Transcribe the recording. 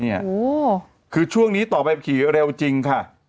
นี่คือช่วงนี้ต่อแบบขี่เร็วจริงค่ะ